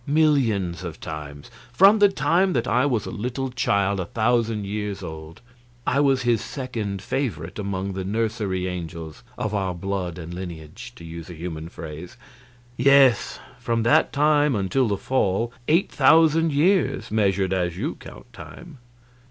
Millions of times. From the time that I was a little child a thousand years old I was his second favorite among the nursery angels of our blood and lineage to use a human phrase yes, from that time until the Fall, eight thousand years, measured as you count time."